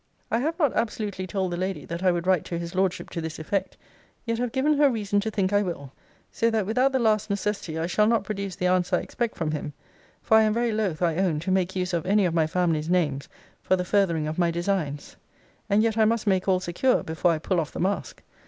I have not absolutely told the lady that I would write to his Lordship to this effect; yet have given her reason to think I will. So that without the last necessity I shall not produce the answer I expect from him: for I am very loth, I own, to make use of any of my family's names for the furthering of my designs. And yet I must make all secure, before I pull off the mask.